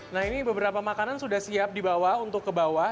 nah ini beberapa makanan sudah siap dibawa untuk kebawah